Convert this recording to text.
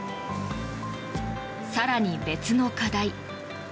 更に、別の課題。